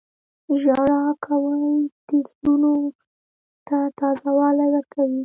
• ژړا کول د زړونو ته تازه والی ورکوي.